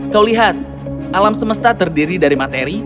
kau lihat alam semesta terdiri dari materi